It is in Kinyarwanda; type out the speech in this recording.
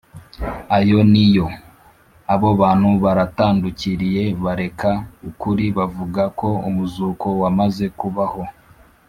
Ayo ni yoAbo bantu baratandukiriye bareka ukuri bavuga ko umuzuko wamaze kubaho